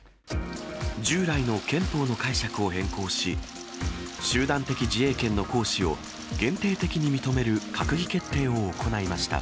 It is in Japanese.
従来の憲法の解釈を変更し、集団的自衛権の行使を限定的に認める閣議決定を行いました。